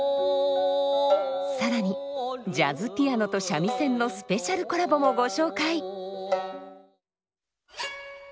更にジャズピアノと三味線のスペシャルコラボもご紹介！